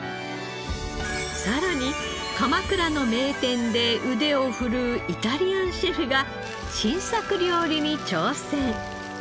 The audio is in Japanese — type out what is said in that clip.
さらに鎌倉の名店で腕を振るうイタリアンシェフが新作料理に挑戦。